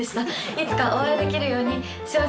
いつかお会いできるように精進します。